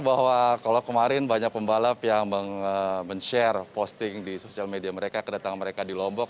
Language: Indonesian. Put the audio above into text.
bahwa kalau kemarin banyak pembalap yang men share posting di sosial media mereka kedatangan mereka di lombok